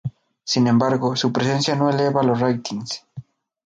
Sin embargo, su presencia no eleva los ratings.